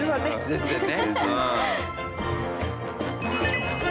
全然ね。